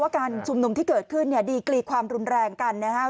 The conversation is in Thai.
การชุมนุมที่เกิดขึ้นเนี่ยดีกรีความรุนแรงกันนะครับ